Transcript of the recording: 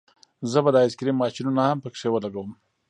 زه به د آیس کریم ماشینونه هم پکې ولګوم